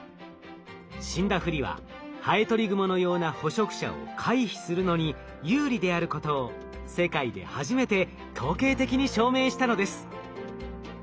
死んだふりはハエトリグモのような捕食者を回避するのに有利であることを世界で初めて統計的に証明したのです。